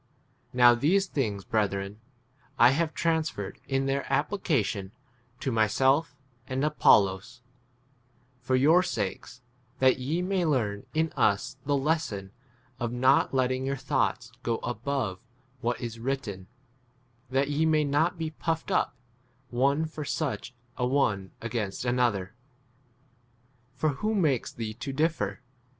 n 6 Now these things, brethren, I have transferred, in their applica tion, to myself and Apollos, for your sakes, that ye may learn in us the [lesson of] not letting your thoughts go above what is writ ten, that ye may not be puffed up one for [such a] one against an 7 other. For who makes thee to differ